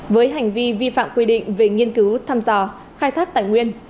với hành vi vi phạm quy định về nghiên cứu thăm dò khai thác tài nguyên